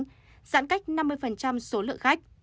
giãn cách năm mươi số lượng khách